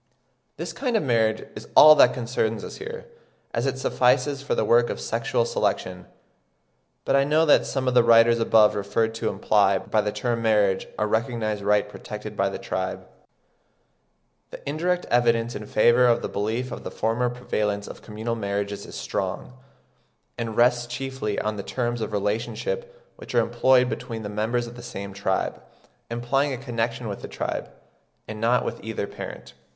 This kind of marriage is all that concerns us here, as it suffices for the work of sexual selection. But I know that some of the writers above referred to imply by the term marriage a recognised right protected by the tribe. The indirect evidence in favour of the belief of the former prevalence of communal marriages is strong, and rests chiefly on the terms of relationship which are employed between the members of the same tribe, implying a connection with the tribe, and not with either parent.